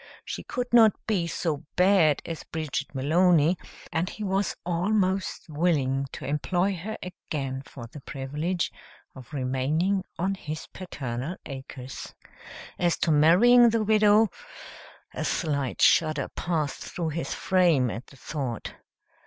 She could not be so bad as Bridget Malony, and he was almost willing to employ her again for the privilege of remaining on his paternal acres. As to marrying the widow a slight shudder passed through his frame at the thought.